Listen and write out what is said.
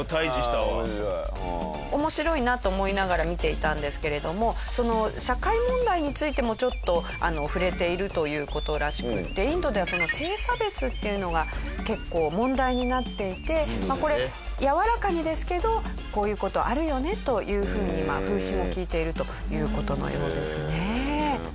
面白いなと思いながら見ていたんですけれども社会問題についてもちょっと触れているという事らしくてインドでは性差別っていうのが結構問題になっていてこれやわらかにですけどこういう事あるよねというふうに風刺が利いているという事のようですね。